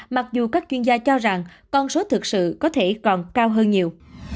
mặc dù các chuyên gia cho rằng con số thực sự có thể còn cao hơn nhiều